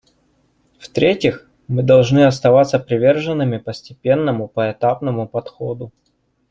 В-третьих, мы должны оставаться приверженными постепенному, поэтапному подходу.